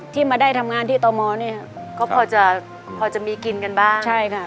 ที่มาได้ทำงานที่ตมเนี่ยก็พอจะพอจะมีกินกันบ้างใช่ค่ะ